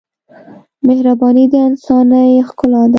مهرباني د انسانۍ ښکلا ده.